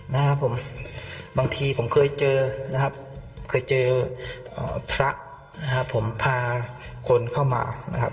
นะครับผมบางทีผมเคยเจอนะครับเคยเจอพระนะครับผมพาคนเข้ามานะครับ